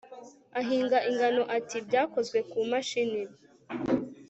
Ahinga ingano ati Byakozwe ku mashini